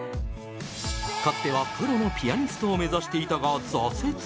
かつてはプロのピアニストを目指していたが挫折。